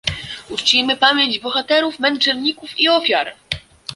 Uczcijmy pamięć bohaterów, męczenników i ofiar!